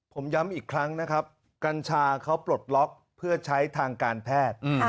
ผมย้ำอีกครั้งนะครับกัญชาเขาปลดล็อกเพื่อใช้ทางการแพทย์